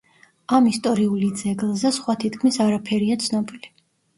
ამ ისტორიული ძეგლზე სხვა თითქმის არაფერია ცნობილი.